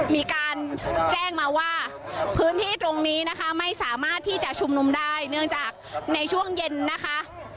มีการแจ้งมาว่าพื้นที่ตรงนี้นะคะไม่สามารถที่จะชุมนุมได้เนื่องจากในช่วงเย็นนะคะ